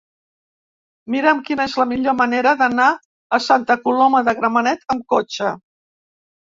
Mira'm quina és la millor manera d'anar a Santa Coloma de Gramenet amb cotxe.